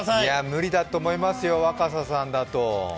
無理だと思いますよ、若狭さんだと。